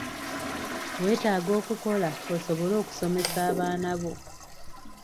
Weetaaga okukola osobole okusomesa abaana bo.